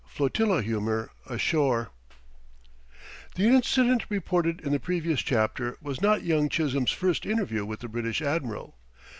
FLOTILLA HUMOR ASHORE The incident reported in the previous chapter was not young Chisholm's first interview with the British admiral.